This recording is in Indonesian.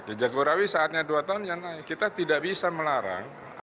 di jagorawi saatnya dua tahun yang naik kita tidak bisa melarang